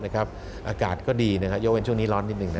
อากาศก็ดียกเว้นช่วงนี้ร้อนนิดหนึ่ง